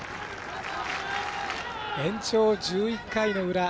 延長１１回の裏。